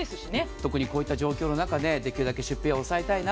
特にこういった状況の中で出費は抑えたいな。